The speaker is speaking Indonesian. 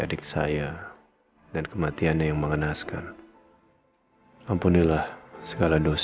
terutama terhadap ricky